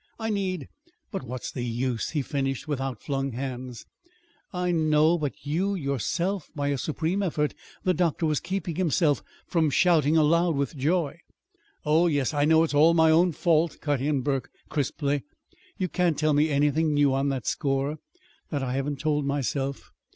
I need But what's the use?" he finished, with outflung hands. "I know; but you, yourself " By a supreme effort the doctor was keeping himself from shouting aloud with joy. "Oh, yes, I know it's all my own fault," cut in Burke crisply. "You can't tell me anything new on that score, that I haven't told myself.